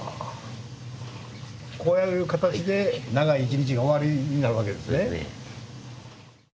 こうやる形で長い１日が終わりになるわけですね。